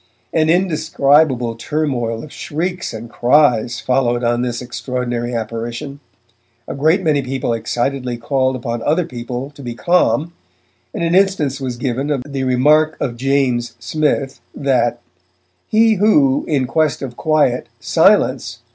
An indescribable turmoil of shrieks and cries followed on this extraordinary apparition. A great many people excitedly called upon other people to be calm, and an instance was given of the remark of James Smith that He who, in quest of quiet, 'Silence!'